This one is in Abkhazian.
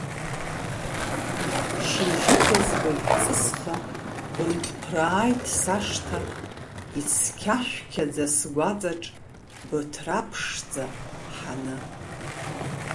Шьыжьыказ быжәҵысха бынҭыԥрааит сашҭа, ицқьа-шәқьаӡа сгәаҵаҿ быҭра ԥшӡа ҳаны.